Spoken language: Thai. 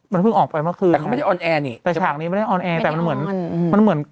มันเพิ่งออกไปเมื่อคืนแต่เขาไม่ได้ออนแอร์นี่แต่ฉากนี้ไม่ได้ออนแอร์แต่มันเหมือนมันเหมือน